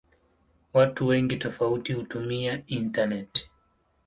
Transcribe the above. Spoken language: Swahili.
Watu wengi tofauti hutumia intaneti.